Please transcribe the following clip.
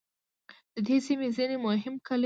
د دې سیمې ځینې مهم کلي